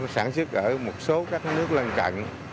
nó sản xuất ở một số các nước lên cạnh